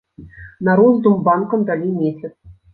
На роздум банкам далі месяц.